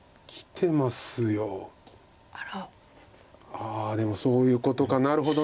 ああでもそういうことかなるほど。